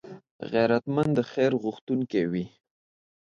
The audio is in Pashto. غیرتمند د خیر غوښتونکی وي